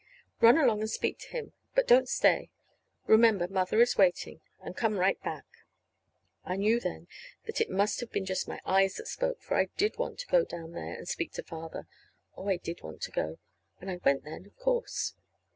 Run along and speak to him; but don't stay. Remember, Mother is waiting, and come right back." I knew then that it must have been just my eyes that spoke, for I did want to go down there and speak to Father. Oh, I did want to go! And I went then, of course.